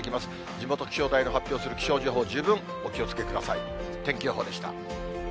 地元気象台の発表する気象情報、十分お気をつけください。